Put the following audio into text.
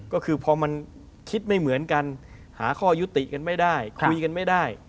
ก็คือพอมันคิดไม่เหมือนกันหาข้อยุติกันไม่ได้คุยกันไม่ได้